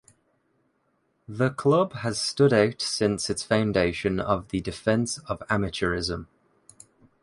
The club has stood out since its foundation of the defense of amateurism.